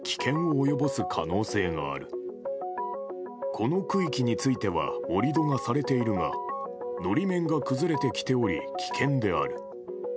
この区域については盛り土はされているが法面が崩れてきており危険である。